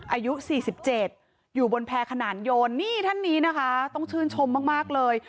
อายุ๔๗อยู่บนแพร่ขนานโยนนี่ท่านนี้นะคะต้องชื่นชมมากเลย